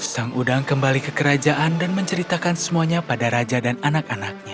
sang udang kembali ke kerajaan dan menceritakan semuanya pada raja dan anak anaknya